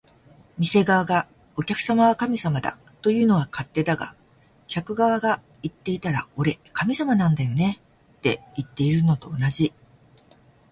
店側が「お客様は神様だ」というのは勝手だが、客側が言っていたら「俺、神様なんだよね」っていってるのと同じ